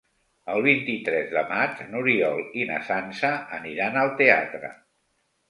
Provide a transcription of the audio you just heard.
El vint-i-tres de maig n'Oriol i na Sança aniran al teatre.